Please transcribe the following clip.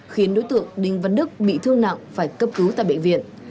khiến đối tượng đinh văn đức bị thương nặng phải cấp cứu tại bệnh viện